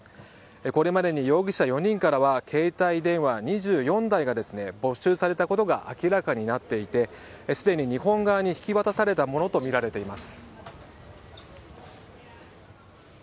これまでに容疑者４人からは携帯電話２４台が没収されたことが明らかになっていてすでに日本側に引き渡されたものとみられています。